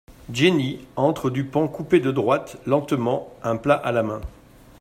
Jenny entre du pan coupé de droite lentement, un plat à la main.